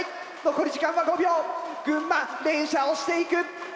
残り時間は５秒群馬連射をしていく。